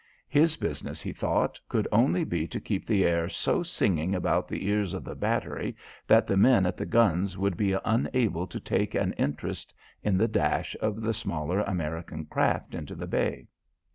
His business, he thought, could only be to keep the air so singing about the ears of the battery that the men at the guns would be unable to take an interest in the dash of the smaller American craft into the bay.